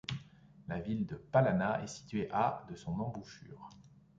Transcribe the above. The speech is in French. La ville de Palana est située à de son embouchure.